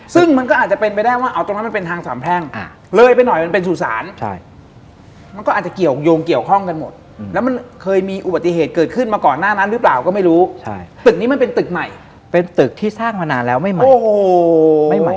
ซึ่งมันก็อาจจะเป็นไปได้ว่าเอาตรงนั้นมันเป็นทางสามแพงอ่า